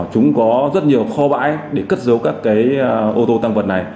chúng có rất nhiều kho bãi để cất dấu các cái ô tô tăng vật này